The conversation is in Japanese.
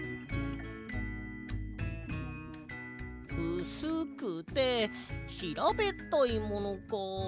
うすくてひらべったいものか。